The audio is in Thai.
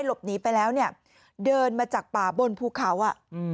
หลบหนีไปแล้วเนี่ยเดินมาจากป่าบนภูเขาอ่ะอืม